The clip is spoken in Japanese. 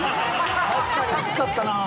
確かに薄かったな。